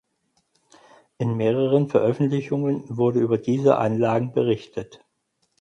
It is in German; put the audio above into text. In mehreren Veröffentlichungen wurde über diese Anlagen berichtet.